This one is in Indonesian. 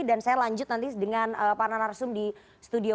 dan saya lanjut nanti dengan pak narasum di studio